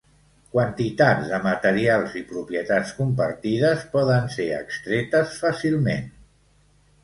Quantitats de materials i propietats compartides poden ser extretes fàcilment.